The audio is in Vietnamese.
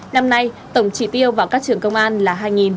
năm nay tổng trị tiêu vào các trường công an là hai